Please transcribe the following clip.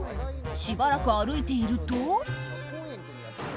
しばらく歩いていると。